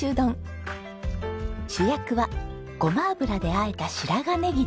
主役はごま油であえた白髪ネギです。